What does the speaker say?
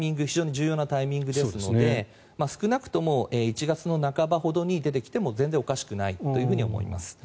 非常に重要なタイミングですので少なくとも１月の半ばほどに出てきても全然おかしくないと思います。